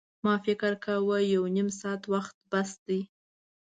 ما فکر کاوه یو نیم ساعت وخت بس دی.